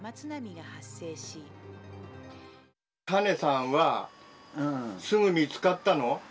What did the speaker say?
カネさんはすぐ見つかったの？